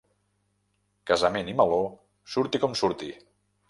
Casament i meló, surti com surti.